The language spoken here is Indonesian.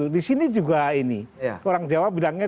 di sini juga ini orang jawa bilangnya